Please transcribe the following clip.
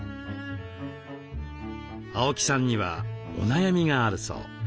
青木さんにはお悩みがあるそう。